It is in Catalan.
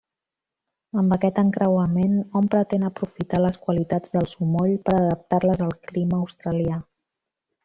Amb aquest encreuament, hom pretén aprofitar les qualitats del sumoll per adaptar-les al clima australià.